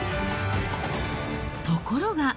ところが。